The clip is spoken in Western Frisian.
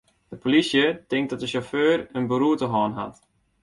De polysje tinkt dat de sjauffeur in beroerte hân hat.